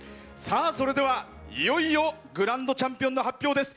それでは、いよいよグランドチャンピオンの発表です。